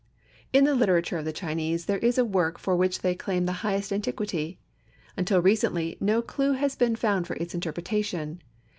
In the literature of the Chinese there is a work for which they claim the highest antiquity. Until recently no clew had been found for its interpretation.